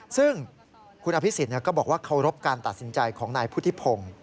ซึ่งคุณอภิษฎก็บอกว่าเคารพการตัดสินใจของนายพุทธิพงศ์